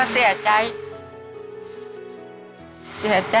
รายการที่จะถ่ายทอดความรู้สึกความทรงจำ